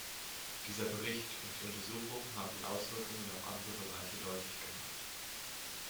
Dieser Bericht und die Untersuchung haben die Auswirkungen auf andere Bereiche deutlich gemacht.